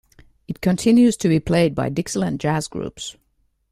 It continues to be played by Dixieland jazz groups.